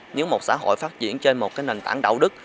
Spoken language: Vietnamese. nếu một xã hội phát triển trên một cái nền tảng đạo đức